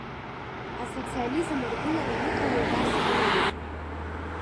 Асоциализм аргылара аныҟало убасҟан ауп.